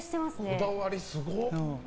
こだわり、すごっ！